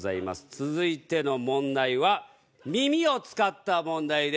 続いての問題は耳を使った問題です。